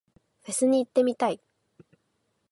フェスに行ってみたい。